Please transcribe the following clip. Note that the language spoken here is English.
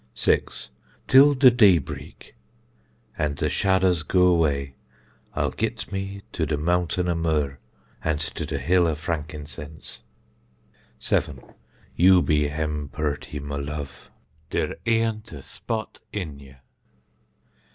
6. Till de dee break, an der shadders goo away, I'll git me to de mountain of myrrh, and to de hill of frankincense. 7. You be hem purty, my love; der aünt a spot in ye.